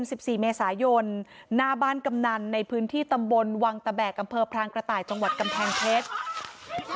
สิบสี่เมษายนหน้าบ้านกำนันในพื้นที่ตำบลวังตะแบกอำเภอพรางกระต่ายจังหวัดกำแพงเพชร